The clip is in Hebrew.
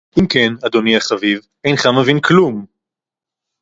אם כן, אדוני החביב, אינך מבין כלום!